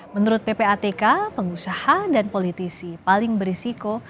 menurut ppatk pengusaha dan politisi paling berisiko